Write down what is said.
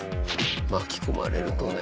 巻き込まれるとね。